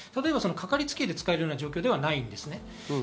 かかりつけ医で使える状況ではないです。